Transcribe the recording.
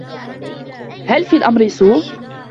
هل في الأمر سوء؟